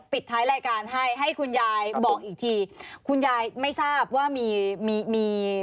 ปิดท้ายรายการให้ให้คุณยายบอกอีกทีคุณยายไม่ทราบว่ามีมี